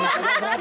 dapat berapa bu